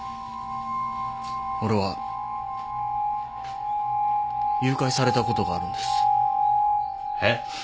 俺は誘拐されたことがあるんです。えっ？